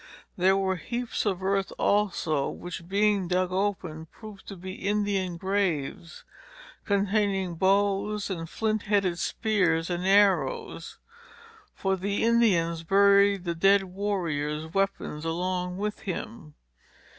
There were heaps of earth also, which, being dug open, proved to be Indian graves, containing bows and flint headed spears and arrows; for the Indians buried the dead warrior's weapons along with him.